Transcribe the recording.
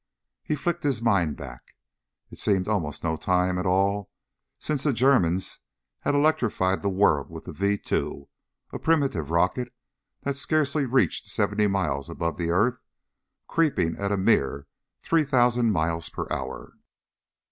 He flicked his mind back. It seemed almost no time at all since the Germans had electrified the world with the V 2, a primitive rocket that scarcely reached seventy miles above the earth, creeping at a mere 3,000 miles per hour.